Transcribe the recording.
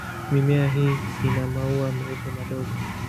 Mimea hii ina maua meupe madogo.